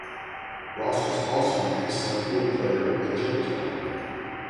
Ross was also an excellent pool player and joke teller.